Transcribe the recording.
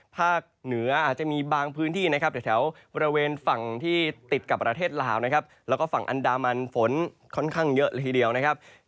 ภาคเหนืออาจจะมีบางพื้นที่นะครับแถวบริเวณฝั่งที่ติดกับประเทศลาวนะครับแล้วก็ฝั่งอันดามันฝนค่อนข้างเยอะเลยทีเดียวนะครับ